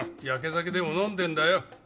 ヤケ酒でも飲んでんだよ。